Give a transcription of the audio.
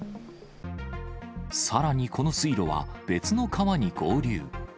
さらにこの水路は別の川に合流。